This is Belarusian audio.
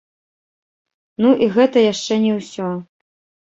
Ну і гэта яшчэ не ўсё.